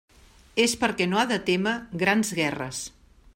És perquè no ha de témer grans guerres.